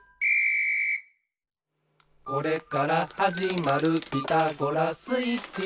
「これからはじまる『ピタゴラスイッチ』は」